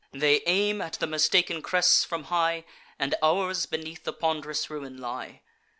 They aim at the mistaken crests, from high; And ours beneath the pond'rous ruin lie.